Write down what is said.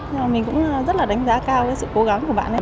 nhưng mà mình cũng rất là đánh giá cao cái sự cố gắng của bạn ấy